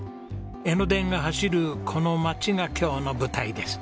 江ノ電が走るこの町が今日の舞台です。